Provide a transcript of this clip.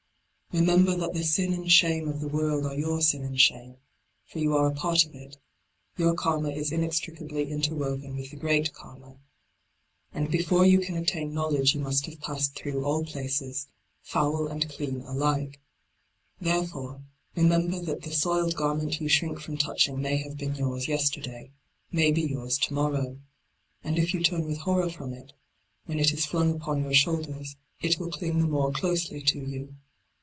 Remember that the sin and shame of the world are your sin and shame ; for you are a part of it ; your Karma is inextricably inter woven with the great Karma. And before you cah attain knowledge you must have passed through . all places, foul and clean alike. Thereifore, remember that the soiled garment you shrink from touching may have been yours yesterday, may be yours to morrow. And if you turn with horror from it, when it is flung upon your shoulders, it will cling the more closely to you.